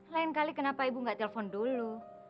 lain kali kenapa ibu nggak telpon dulu